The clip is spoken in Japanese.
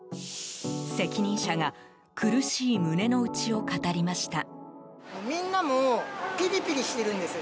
責任者が苦しい胸の内を語りました。